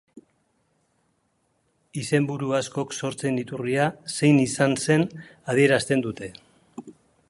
Izenburu askok sortze-iturria zein izan zen adierazten dute.